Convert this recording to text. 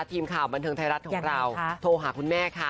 ทีมข่าวบันเทิงไทยรัฐของเราโทรหาคุณแม่ค่ะ